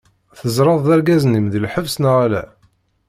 Tẓerreḍ-d argaz-im di lḥebs neɣ ala?